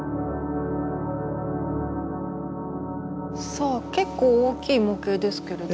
さあ結構大きい模型ですけれども。